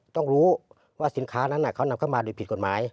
ต้องรู้ว่าสินค้านั้นเขานำเข้ามาโดยผิดกฎหมาย